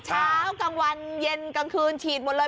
เช้ากลางวันเย็นกลางคืนฉีดหมดเลย